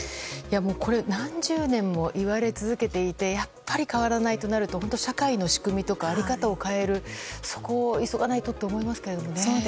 何十年も言われ続けていてやっぱり変わらないとなると本当社会の仕組みとか在り方を変えるそこを急がないとと思います。